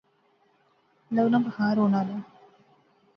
لغنا بخار ہون آلا